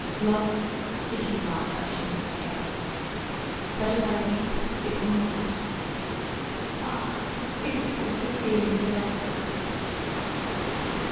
Love, if you laugh I shall not care, But if I weep it will not matter, Ah, it is good to feel you there!